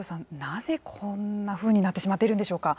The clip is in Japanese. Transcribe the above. なぜこんなふうになってしまっているんでしょうか。